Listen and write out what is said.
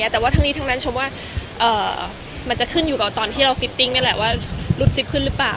แต่ว่าทั้งนี้ทั้งนั้นชมว่ามันจะขึ้นอยู่กับตอนที่เราฟิตติ้งนี่แหละว่ารูปซิปขึ้นหรือเปล่า